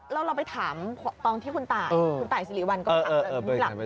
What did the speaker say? แล้วเราไปถามตอนที่คุณตายคุณตายสิริวัลก็ถาม